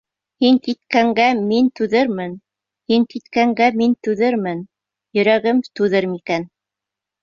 Һин киткәнгә мин түҙермен, Һин киткәнгә мин түҙермен, Йөрәгем түҙер микән?..